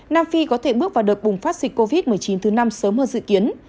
nam phi có thể bước vào đợt bùng phát dịch covid một mươi chín thứ năm sớm hơn dự kiến